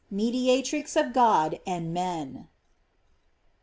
mediatrix of God and men!